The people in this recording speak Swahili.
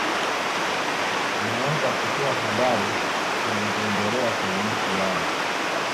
anwez kutoa habari zinazoendelea kwenye nchi yao